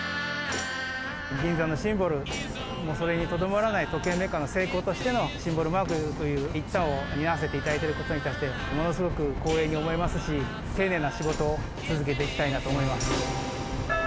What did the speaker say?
銀座のシンボルにとどまらない、時計メーカーのセイコーとしてのシンボルマークという一端を担わせていただいていることに対して、ものすごく光栄に思いますし、丁寧な仕事を続けていきたいなと思います。